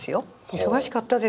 忙しかったです。